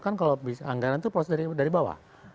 kan kalau anggaran itu proses dari bawah